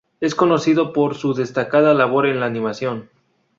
Es conocido por su destacada labor en la animación.